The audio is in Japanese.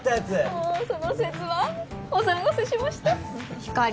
もうその節はお騒がせしましたひかり